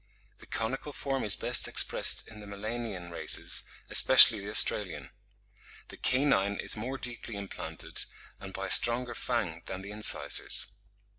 The conical form is best expressed in the Melanian races, especially the Australian. The canine is more deeply implanted, and by a stronger fang than the incisors."